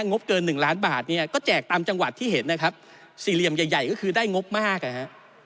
งบเกินหนึ่งล้านบาทเนี่ยก็แจกตามจังหวัดที่เห็นนะครับสี่เหลี่ยมใหญ่ใหญ่ก็คือได้งบมากอ่ะฮะ